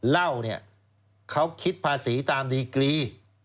เหล้าเนี่ยเขาคิดภาษีตามดีกรี